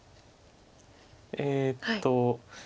えっと。